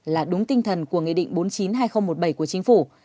là đúng tinh thần của nghị định bốn mươi chín hai nghìn một mươi bảy của chính phủ